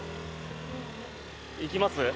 行きます？